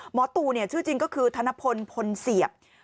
หมอตู่ชื่อจริงก็คือธนพลพลเสียบ